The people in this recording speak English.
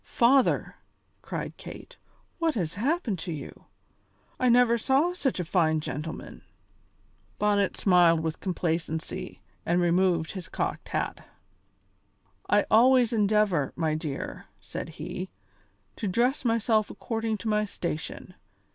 "Father!" cried Kate, "what has happened to you? I never saw such a fine gentleman." Bonnet smiled with complacency, and removed his cocked hat. "I always endeavour, my dear," said he, "to dress myself according to my station.